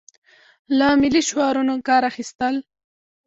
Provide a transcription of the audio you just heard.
له ملي شعارونو کار اخیستل.